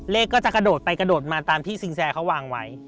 ก็จะกระโดดไปกระโดดมาตามที่สินแสเขาวางไว้